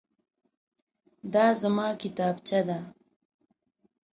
دا زما کتابچه ده.